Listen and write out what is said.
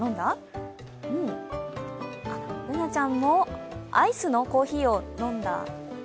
あっ、Ｂｏｏｎａちゃんもアイスのコーヒーを飲んだ。